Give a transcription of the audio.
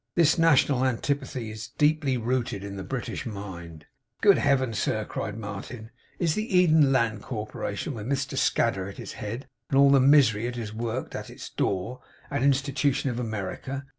This national antipathy is deeply rooted in the British mind!' 'Good Heaven, sir,' cried Martin. 'Is the Eden Land Corporation, with Mr Scadder at its head, and all the misery it has worked, at its door, an Institution of America?